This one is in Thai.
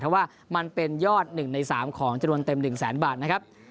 เพราะว่ามันเป็นยอด๑ใน๓ของจำนวนเต็ม๑แสนบาทนะครับ